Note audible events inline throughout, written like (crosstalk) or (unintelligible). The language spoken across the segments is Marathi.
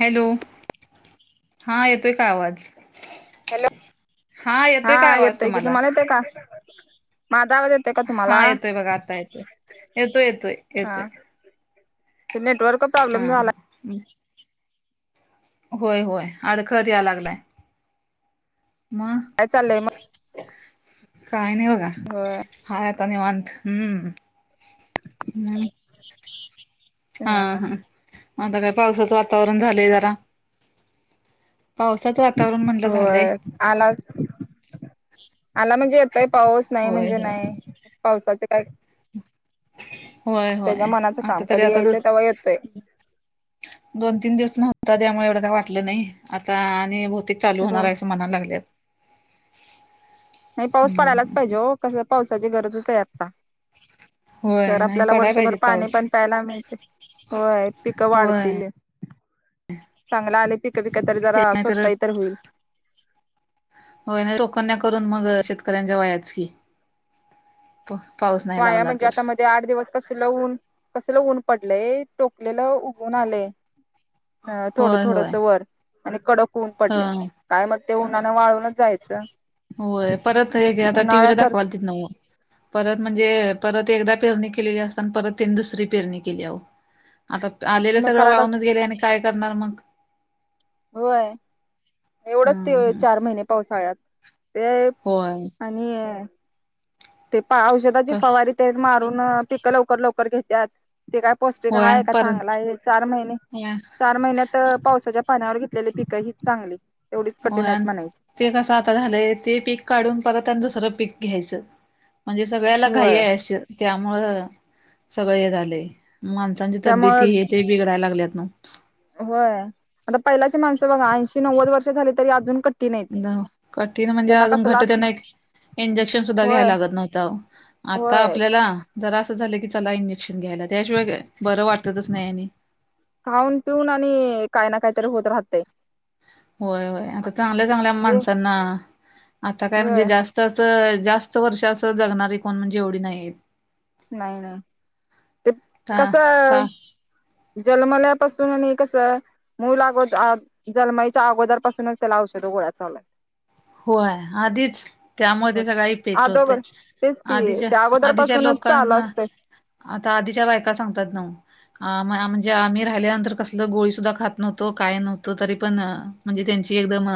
हॅलो हा येतोय का आवाज हॅलो येतोय का हा आवाज येतोय की तुम्हाला येते का माधाव येत हा येतोय बघा आता येतोय येतोय येतोय हा येतोय. नेटवर्क प्रॉब्लेम झालाय. हम्. होय होय अडखळत या लागलाय. मग, काय चाललंय मग काही नाही बघा. होय हाय आता निवांत. हम्म. हा हा आता काय पावसाचं वातावरण झालंय जरा. पावसाचं वातावरण म्हणलं झालंय. होय आला आला म्हणजे यताय पाऊस, नाही होय म्हणजे होय नाही. पावसाचे काय होय त्याच्या होय मनाचं काम आता तरी कधी आता यायचं तेव्हा येतोय दोन तीन दिवस नव्हता त्यामुळे एवढं काही वाटलं नाही आता आणि भौते चालू होणार हो आहे असं म्हणायला लागल्यात. नाही पाऊस हम्म पडायलाच पाहिजे ओ कसं पावसाची गरजच आहे आता. होय तर नाही आपल्याला पडाय वर्षभर पाहिजे पाणी पाऊस पण प्यायला मिळते. होय पिकं होय वाढतील. चांगला आणिले पिकं पिक तरी ते जरा नाही स्वस्तही तर होईल. होय नाही टोकन्या करून मग शेतकऱ्यांच्या वयाच की. पाऊस. नाही वाया लागला म्हणजे तर आता मग. ते आठ दिवस कसला ऊन कसला ऊन पडलय टोकलेलं उघून आलेय. अ थोडं होय होय थोडस वर आणि कडक होऊन पडले. ह काय मग ते उन्हानें वाळूनच जायचं. होय परत हे घ आता टी. व्ही. ला उन्हाळ्यासारख दाखवालतीत नव्हं. परत म्हणजे परत एकदा पेरणी केलेली असताना परत त्यांनी दुसरी पेरणी केली आहेह. आता आलेले मग सगळं करायलाच वाहूनच गेले आणि काय करणार मग? होय एवढच ते हम्म हम्म चार महिने पावसाळ्यात ते होय. आणि ते पा औषधाची क फवारी ते मारून पिकं लवकर लवकर घेतात. ते काय पौष्टिक होय हाय आणि का चांगला परत आहे, चार महिने होय चार महिन्यात पावसाच्या पाण्यावर घेतलेली पिकं ही चांगली. एवढीच हो कठीण आहेत आणि म्हणायची ते कसं आता झालंय ते पीक काढून परत त्यांनी दुसरं पीक घ्यायचं. म्हणजे सगळ्याला घाई होय आहे अस त्यामुळं सगळे हे झाले. माणसांची त्यामुळ तबेती हे ते बिगडल्यात होय आता पहिल्याचे माणसं बघा एशी नवद वर्ष झाले तरी अजून कठीण आहेत कठीण म्हणजे त्यांना अजून घट कसला त्यांना नाही एक इंजेक्शन सुद्धा घ्यायला होय लागत नव्हतं अहो आता होय आपल्या जरा असं झालं की चला इंजेक्शन घ्यायला त्याशिवाय काय बरं वाटतच नाही. खाऊन पिऊन आणि काय ना काहीतरी होत राहते. होय होय आता चांगल्या चांगल्या हे माणसांना आता काय म्हणजे व्हय जास्त असं जास्त वर्ष असं जगणारे कोण म्हणजे एवढी नाहीत. नाही नाही ते कस सा जन्मलापासून हे कसं? मूल अगोदर जन्माईच्या अगोदर पाासूनच त्याला औषध गोळ्या चालू आहेत. होय आधीच त्यामध्ये आहेत. सगळ इफेक्ट होतय अदोगर तेच की आधीच्या त्या अगोदर आधीच्या पासूनच लोक चालू कना असतय आता आधीच्या बायका सांगतात ना. अ म्हणजे आम्ही राहिल्यानंतर कसल गोळी सुद्धा खात नव्हतो काय नव्हतं तरी पण म्हणजे त्यांची एकदम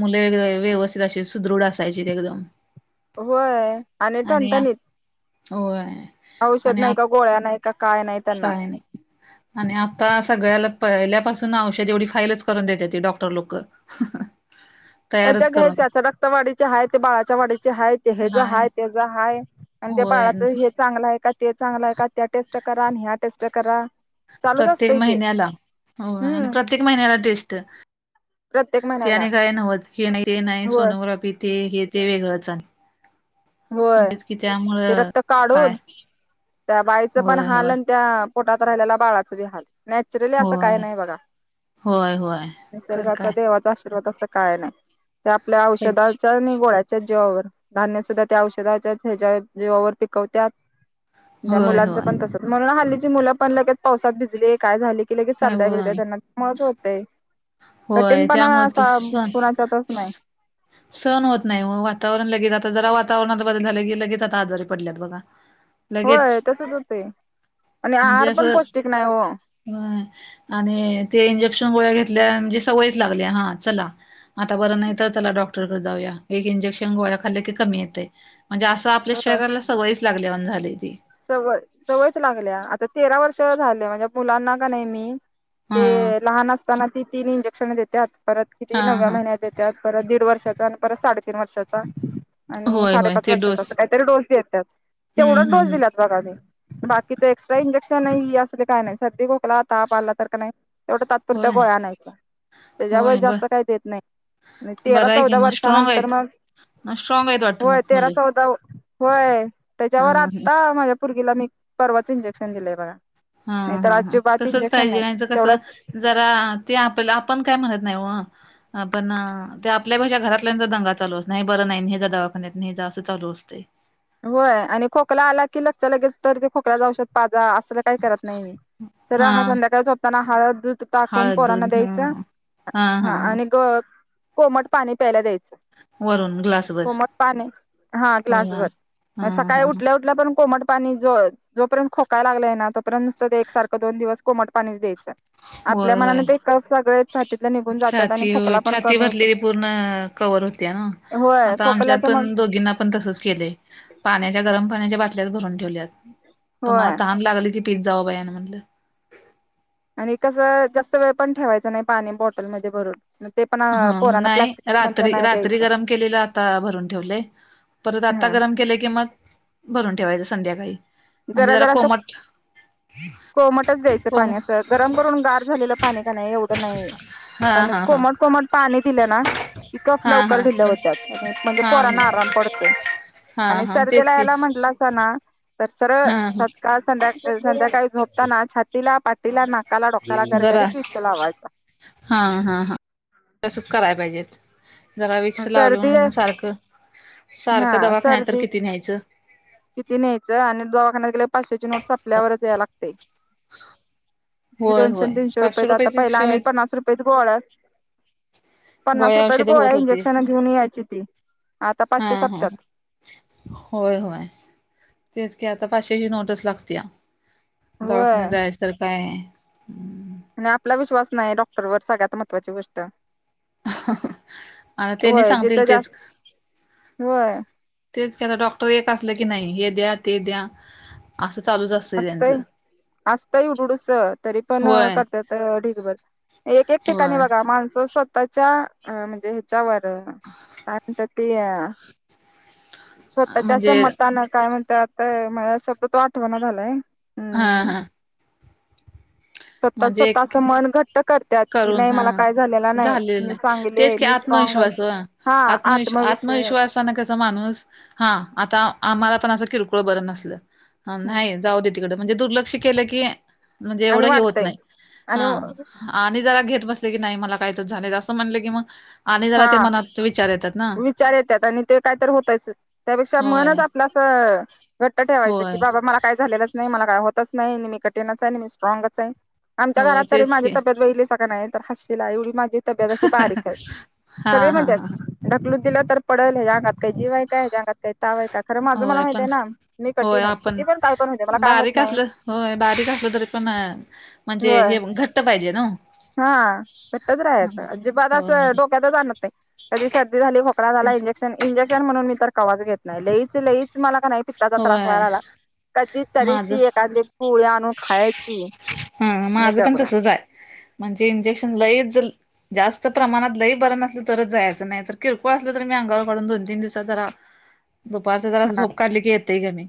मूल व्यवस्थित अशी सुदृढ असायची एकदम. होय आणि ठंटाणीत होय औषध आणि आ नाही का गोळ्या नाही. काय नाही त्यांना काय नाही आणि आता सगळ्याला पहिल्यापासून औषध एवढी फाईलच करून देते ती डॉक्टर (unintelligible) अ त्या तयारच करून घ्यायच्याच्या रक्त वाडीचे आहे ते बाळाच्या वाडीचे आहेय ते ह ज हाय आहेय तेज आहे आणि ते होय बाळाचं हे चांगलं आहे का ते चांगलं आहे का त्या टेस्ट करा आणि ह्या टेस्ट करा चालूच प्रत्येक असतंय ते महिन्याला हो आणि हम्म प्रत्येक महिन्यात प्रत्येक महिन्याला त्याने काय नव्हत हे नाही होय सोनोग्राफी ते हे ते वेगळंच आहे होय ते रक्त काय काढून त्या बाईचं पण होय हाल होय त्या पोटात राहिल्याला बाळाच बी हाल नॅचरली असं काही होय नाही बघा होय होय तर निसर्गाचा काय देवाचा आशीर्वाद असं काय नाही ते आपल्या औषधाच्या आणि गोळ्या जीवावर धान्य सुद्धा त्या औषधाच्या ह्याच्या जीवावर पिकवतात त्या होय मुलांचं होय पण तसच म्हणून हल्लीची मुलं पण लगेच पावसात भिजली काय झाली की लगेच काय सरदा्या बिरद्या होय लगेच त्यामुळेच होतय कठीण होय पणा त्यामुळेच की असा सण कुणाच्यातच नाही सण होत नाही ओ वातावरण लगेच आता जरा वातावरणात बदल झालं की लगेच आता आजारी पडल्यात बघा होय लगेच तसच होतंय म्हणजे असं होय आणि ते इंजेक्शन गोळ्या घेतल्या म्हणजे सवयच लागल्या हा चला आता बरं नाही तर चला डॉक्टरकडे जाऊया एक इंजेक्शन गोळ्या खाल्ल्या की कमी येते म्हणजे असं आपल्या होय शरीराला सवयच लागल्यावाणी झाले सवय सवयच लागल्या आता तेरा वर्ष झाल्या म्हणजे मुलांना का नाही मी हा ते लहान असताना ती तीन ेत परत हा हा दीड वर्षाचा आणि परत साडेतीीन वर्षाचा आणि होय साडे पाच वर्षाचा अस तर डोस देतात तेवढा हम् हम डोस हम बघा की बाकीच एक्स्ट्रा इंजेक्शन असले काय नाही सध्या खोकला ताप आला तर का नाही तेवढा तात्पुरत्या होय गोळ्या आणयच्या त्याच्यावर होय बर जास्त काही देत नाही आणि तेरा बरं आहे की चौदा मग स्ट्रॉंग वर्षानंतर आहेत मग स्ट्रॉंग आहेत वाटतं होय मग तेरा मुलं चौदा होय हा त्याच्यावर आत्ता माझ्या पोरगीला मी परवाच इंजेक्शन दिलेय बघा हा नाही तर हा हा अजिबात तसच इंजेक्शन पाहिजे नाही नाहीतर कसं तेवढाच ते आपला आपण काय म्हणत नाही व पण ते आपल्या पेक्षा घरातल्यांचा दंगा चालू अस नाही बरं नाही हे ने जा दवाखान्यात ने जा असं चालू असते होय आणि खोकला आला की लगचा लगेच तर ते खोकल्याचं औषध पाजा असं काय का करत नाही मी सर हा संध्याकाळोपताना हळद दूध टाकून हळद पोरांना दूध हा द्यायचं हा आणि ग कोमट पाणी प्यायला द्यायचं वरून ग्लासभर कोमट पाने हा ग्लास भर हा सकाळी हा उठल्यावर पण कोमट पाणी जोय जोपर्य खोकाय लागलाय ना तोर्ंत नुसतं एक सारखं दोन दिवस कोमट पाणीच द्यायचं आपल्या होय मनाने होय ते कफ सगळे छातीतले निघून जातात आणि छाती खोकला होय पण छाती कमी होत भरलेली पूर्ण कवर होते ना आता आमच्यात मग पण दोघींना ण तच के पाण्याच्या गरम पाण्याच्या बाटल्यात भरून ठेव मला होय त ला पिझ्झा व बया ना म्हधलं आणि कसं जास्त वेळ पण ठेवायच नाही पाणी बॉटलमध्ये भरून ते पण हा पोरांना नाही प्लास्टिक मधलं रात्री नाही रात्री द्यायचं गरम केलेला आता भरून ठेवले परत आता हा गरम केले की मग भरून ठेवायचं संध्याकाळी म्हणजे जरा कोमट कोमटच द्यायचं कोम पाणी असं गरम करून गार झालेलं पाणी का नाही एवढं नाही हा पण हा हा कोमट कोमट पाणी दिलं ना की कफ हा लवकर ढिल्या होत्यात आणि म्हणजे हा हा पोरांना आराम पडतोय हा आणि हा तेच सर्दीला की ह्यला म्हंटलासा ना तर सरळ हा सकाळ संध्याका संध्याकाळी झोपताना छातीला पाटीला, नाकाला, डोकाला जरा गरगरीत विक्स लावायचा. हा हा हा तसंच कराय पाहिजेत. जरा विक्स लावलं सर्दी म्हणून सारखं हा सारखं दवाखाण्यात तर सर्दी किती न्यायचं. किती न्यायचं आणि दवाखान्यात गेल्यावर पाचशेची नोट सपल्यावरचं याय लागतयं. लगी होय दोनशे होय तीनशे रुपये पाचशे आयेत आता रुपयाची पहिला आमी शिवायच पन्नास रुपयेत गोळ्या पन्नास रुपयात औषधे गोळ्या होत होती. इंजेक्शन घेऊन यायची ती. आता हा पाचशे हा. सपत्यात होय होय तेच की आता पाचशेची नोटचं लागतिया. दवाखान्यात होय जायाच तर काय आणि आपला विश्वास नाही डॉक्टर वर सगळ्यात महत्वाची गोष्ट. आणि त्यांनी होय जिथं सांगतील तेच जास्त होय. तेच कि आता डॉक्टर एक असलं की नाही हे द्या ते द्या. असां चालूचं अस असतय असतंय इवडूडूस तरी पण होय करत्यात ढिगभर. एक एक ठिकाणी होय बघा माणसं स्वतःच्या अ म्हणजे ह्याच्यावर अ काय म्हणत्यात ते अ स्वतःच्या अस म्हणजे मतानं काय म्हणत्यात मला शब्द तो आठवणा झालाय. हा हम्म हा. स्वतः म्हणजे स्वतः एक असं मन घट्ट करत्यात की करून नाही हा मला काय झालेला झालेलं मी नाही चांगली तेच आहे की मी आत स्ट्रॉंग आहे त्मविश्वास ओ हा आत्मविश आत्मविश्वास आत्मविश्वासानं क माणूस हा आता आम्हाला पण अस किरकोळ बर नसल हा नाही जाऊदे तिकड म्हणजे दुर्लक्ष केल कि म्हणजे एवढ आणि हे होत वाढतय नाही आणि हा. आणि जरा घेत बसल की नाही मला काहीतर झालय असं म्हणल की मग आणि जरा हा ते मनात विचार येतात ना विचार येत्यात आणि ते कायतर होतयच त्यापेक्षा मनंच होय आपलं असं घट्ट ठेवायचं की होय बाबा मला काय झालेलंच नाही मला काय होतच नाही, मी कठीणच आहे आणि मी स्ट्रॉगच आहे आमच्या होय घरात तरी तेच माझी की तब्येत बघितलीसा क नाई हसशिला एवढी माझी तब्येत अशी बारीक आह. हा सगळी हा हा म्हणत्यात ढकलून दिलं तर पडल ह्यज्या अंगात काय जीवाय काय ह्यज्या अंगात काय तावाय काय खरं माझं मला होय पण माहितयं ना मी होय कठीण आहे किती आपण पण काय पण होतेय मला काय होत बारीक नाही. असलं होय बारीक असलं तरी पण म्हणजे होय. हे घट्ट पाहिजे नाओ. हा घट्टच राहाचं अजिबात असं होय डोक्यातचं आणत नाही कधी सर्दी झाली खो झाला इंजेक्शन इंजेक्शन म्हणून मी तर कवाज घेत नाही लईच लईच मला क नाही पित्ताचा त्रास होय व्हायला लागला कधी तरी माझ ती हा एखांदी गोळी आणून खायाची. हा मा माझं पण तसंच आहे म्हणजे इंजेक्शन लईच जास्त प्रमाणात लई बरं नसलं तरच जायचं नाही तर किरकोळ असलं तर मी अंगावर काढून दोन तीन दिवसात जरा (inaudible) दुपारचं जरा झोप काढली की येतंय कमी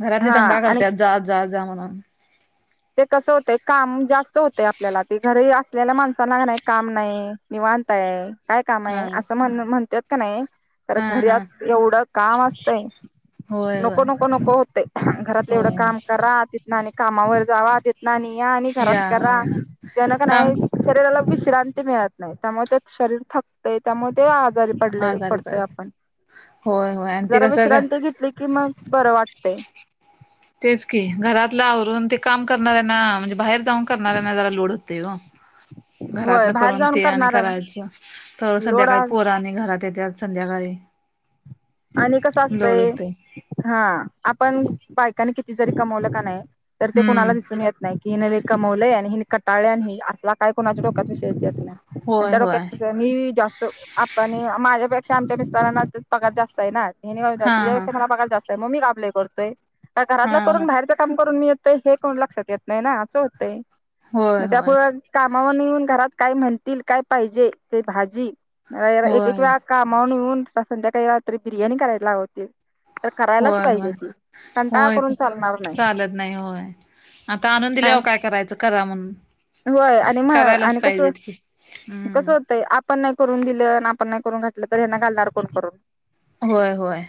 घरातली हा दंगा आणि करत्यात जा जा जा म्हणून‌. ते कस होतंय काम जास्त होतंय आपल्याला ते घरी असलेल्या माणसांना कनाही काम नाही निवांत आहे काय काम आहे हा असं म्हण म्हणत्यात. क नाई खर हा हा घर्यात एवढं काम असतंय होय नको होय नको नको होतयं घरातलं एवढं काम होय करा ति आणि कामावर जावा तिथनं आणि या आणि घरात या करा होय त्या न क नाही काम शरीराला विश्रांती मिळत नाही त्यामुळं ते शरीर थकतंय त्यामुळं तेव्हा आजारी पडलयं आजारी पडतोय पडत आपण. होय होय आणि ते जरा कसं ग विश्रांती घेतली कि मग बरं वाटतंय. तेच की घरातल आवरून ते काम करणाऱ्यांना म्हणजे बाहेर जाऊन करणाऱ्यांना जरा लोड होतंय ओ. होय घरातलं बाहेर करून जाऊन ते आणि करणार करायचं तवर संध्याकाळी पोरं आणि घरात येत्यात. संध्याकाळी आणि कसं लोड असतंय, होतय हा आपण बायकांनी किती जरी कमवलं का नाही तर ते हम्म कोणाला दिसून येत नाही कि हिने कमवलंय, आणि हिने कटाळल्या आणि ही असला काय कोणाच्या डोक्यात विषयच येत नाही. होय त्यांच्या होय डोक्यात कसं, मी जास्त आपने माझ्यापेक्षा आमच्या मिस्टरांना पगार जास् ना, हेनी मला म्हणतात हा तुझ्या हा पेक्षा मला पगार जास्त आहे मग मी काम लय करतोय, काय हा घरातलं हा करून बाहेरचं काम करून मी येतोय, हे कुणाला लक्षात येत नाही ना, असं होतंय म होय होय त्यामुळं कामावरणं येऊन घरात काय म्हणतील काय पाहिजे, ते भाजी एक एक होय वेळा कामावरनं येऊन, संध्याकाळी रात्री बिर्याणी करायला लावतीत. होय होय, होय करून की, चालणार नाही चालत नाही होय. आता आणून दिल्यावर आणि काय करायचं, करा म्हणून. होय आणि म करायलाच आणि कसं, पाहिजेत की हम्म कसं होतंय आप पन नाही करून दिलं, अन् आपण नाही करून घातलं तर ह्यांना घालणार कोण करून? होय होय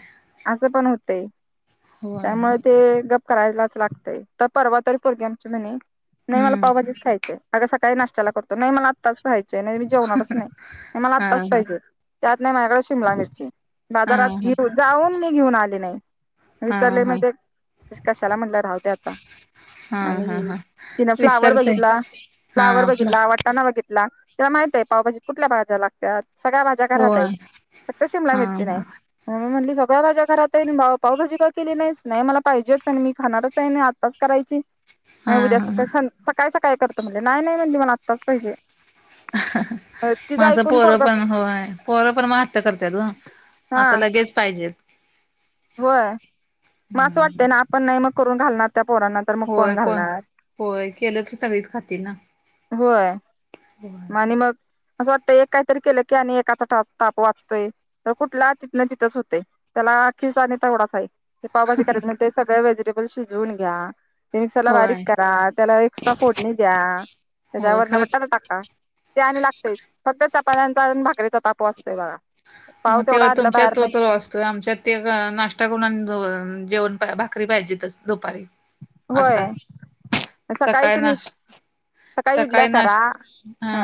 असं पण होतंय, होय त्यामुळे होय ते गप करायलाच लागतंय. तर परवा तरी पोरगी आमची म्हणे, नाही मला हम्म पाव भाजीचं खाय अगं सकाळी नाष्ट्याला करतो, नाही मला आत्ताच खायचीय, नाही मी जेवणारच नाही मला हा आत्ताच हा पाहिजे. त्यात नाही माझ्याकडे शिमला मिरची, हा बाजारात हा घेऊ जाऊन मी घेऊन आले नाही. हा विसरले हा म्हणजे, कशाला म्हणलं राहुदे आता. हा हा आणि हा तिनं फ्लावर विसरतय बघितला हा फ्लावर आपलं बघितला वाटाणा बघितला, तिला माहिताय पावभाजीत कुठल्या भाज्या लागतात. सगळ्या भाज्या घरात आहेत, होय फक्त शिमला हा मिरची नाही. हा मम्मी म्हटली सगळ्या भाज्या घरात आहे आणि पावभाजी का केली नाहीस, नाही मला पाहिजेच आणि मी खाणारच आहे. आणि आता ताच करायची. हा नाही उद्या हा हा सकाळी, सकाळी सकाळी करतो म्हंटलं, नाही नाही म्हटली मला आत्ताच पाहिजे. मग तिचं असं ऐकून पोरं पोरग पण होय, पोरं पण मग हट्ट करत्यात ओ. हा आता लगेच पाहिजे. होय, मग असं हम्म वाटतंय ना आपण नाही मग करून घालणार त्या पोरांना तर मग होय कोण, घालणार होय केलं तर सगळीच खातील ना. मं आणि मग, असं वाटतंय एक काहीतरी केलं की आणि एकाचा ताप ताप वाचतोय. तर कुठला तिथनं तिथंच होतयं, त्याला खिस आणि तेवढाच हाय. ते पावभाजी करायचं, मग ते सगळे व्हेजिटेबल शिजवून घ्या. ते मिक्सरला बारीक होय करा, त्याला एक्स्ट्रा फोडणी द्या, त्याच्या होय वरनं खरंच बटाटा बी टाका. ते आणि लागतंयच, फक्त चपात्यांचा भाकरीचा ताप वाचतोय बघा. पाव मग तेवढा तेव्हा आणला तुमच्या बाहेरन त्यो तर वाचतोय आमच्यात ते नाश्ता करून जेवण भाकरी पाहिजेतच दुपारी. असं होय आहे. सकाळी नाश् सकाळी इडल्या नाश् करा हा.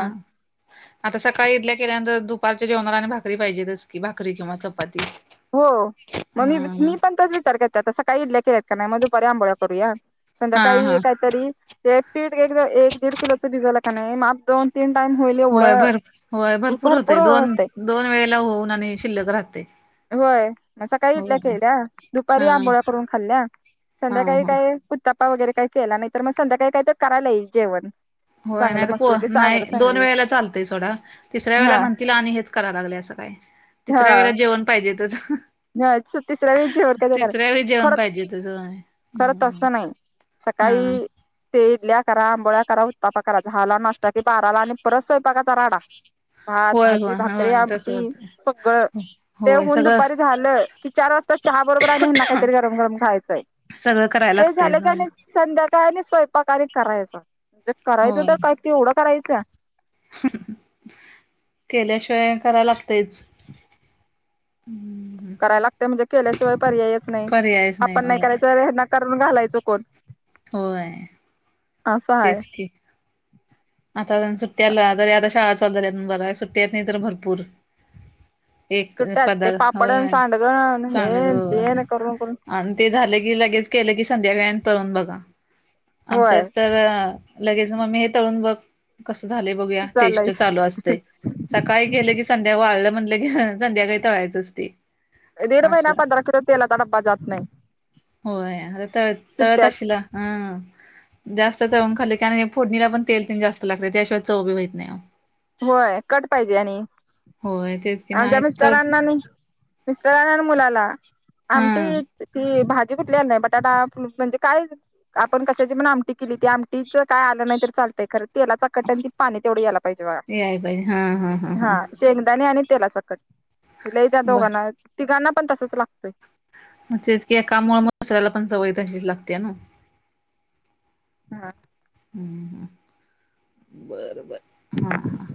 आता सकाळी इडल्या केल्यानंतर, दुपारच्या जेवणाला आणि भाकरी पाहिजेतच की, भाकरी किंवा चपाती. हो, मग मी बी मी हा पण तोच विचार करते, आता सकाळी इडल्या केल्यात का नाही मग दुपारी आंबोळ्या करूया? हा संध्याकाळी हा काहीतरी, ते पीठ एक एक दीड किलोचं भिजवलं का नाही माप दोन तीन टाइम होईल होय एवढं, भर होय भरपूर होतय दोन होतेय. दोन वेळेला होऊन आणि शिल्लक राहते. होय, सकाळी इडल्या केलेत्या, हा दुपारी आंबोळ्या करून खाल्ल्या, हा संध्याकाळी हा काय उत्तापा वगैरे काही केला, नाहीतर मग संध्याकाळी काय काहीतर करायला येईल जेवण. होय चांगलं नाही तर पो मस्तपैकी सागर नाही, दोन सांगली वेळेला चालतंय सोडा. तिसऱ्या वेळेला हा म्हणतील आणि हेच कराय लागलेस काय, तिसऱ्या हा वेळेला जेवण पाहिजेतच. तिसऱ्या वेळेस जेवण कस करा, तिसऱ्या वेळी जेवण खर पाहिजेतच होय खरं हम्म तसं नाही. हा सकाळी ते इडल्या करा, आंबोळ्या करा, उत्तापा करा झाला नाष्टा, कि बाराला आणि परत स्वयंपाकाचा राडा. भात होय भाजी होय भाकरी होय तस आमटी होतय सगळं ते होय होऊन सगळं दुपारी झालं की चार वाजता चहा बरोबर आणि हना काहीतरी गरम गरम खायचंय सगळं कराय लाग ते झालं की आणि संध्याकाळ आणि स्वयंपाका करायचं म्हणजे करायचं होय तर काही ते एवढं करायचं केल्याशिवाय करा लागतच हम्म करायला लागत म्हणजे केल्याशिवाय पर्यायच नाही पर्यायच आपण नाही होय करायचना करून घालायचो कोण होय असं आहे तेच क आता सुट्ट्याला तरी आता शाळा चालल्या ब सुट्ट्यात नाही तर भरपूर एक सुट्ट्यात ते पदार पापडन होय सांडगण चणग हे तेन करून करून होय ते झालं की लगेच केलं की संध्याकाळने तळून बघा आमच्यात होय तर लगेच मग मी हे तळून बघ कस झालं बघूया चालय टेस्ट चालू असते सकाळी गेलं की संध्या वाळलं म्हटलं के संध्याकाळी तळायचं असते दीडभहि ना पंध्रकृतीला तडप्बा जात नाही होय आता तळ तळत सुट्ट्यात असशिला हम जास्त तरून खाल्ली फोडणीला पण तेल ते जास्त लाग त्याशवाय चचावभी होत नाही होय कट पाहिजे आणि अहो होय तेच की आमच्या नाही चव मिस्टरांना नाही मिस्टर मुलाला हा आमटी ती भाजी कुठल्या नाही बटाटा म्हणजे काय आपण कशाची म्हण आमटी केली ती आमटीचं काय आलं नाही तर चातंय खर त्याला चकट आणि त पाणी तेवढं याला पाहिजे याय पाई हा हा हा हा शेंगदाणी आणि तेलाचा कट लई त्या्या बर दोघांना तिघांना पण तसाच लागतोय मग तेच क एकामुळे मसऱ्याला पण सवय तशीच लागते ना हा हम्म हम् बरबर हा हा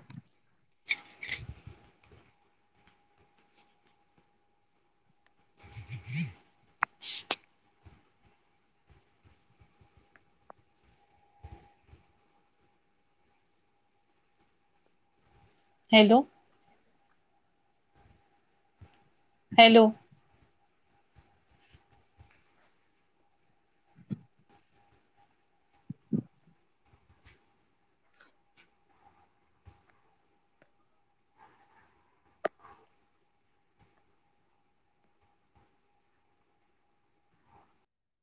(unintelligible) हॅलो हॅलो